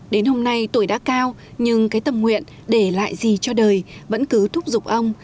đến hôm nay tuổi đã cao nhưng cái tâm nguyện để lại gì cho đời vẫn cứ thúc giục ông